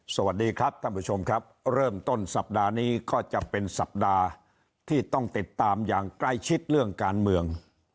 สวัสดีครับท่านผู้ชมครับเริ่มต้นสัปดาห์นี้ก็จะเป็นสัปดาห์ที่ต้องติดตามอย่างใกล้ชิดเรื่องการเมือง